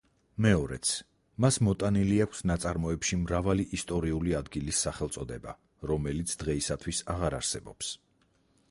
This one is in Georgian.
მეორეც, მას მოტანილი აქვს ნაწარმოებში მრავალი ისტორიული ადგილის სახელწოდება, რომელიც დღეისათვის აღარ არსებობს.